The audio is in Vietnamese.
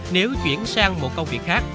nếu chuyển sang một công việc khác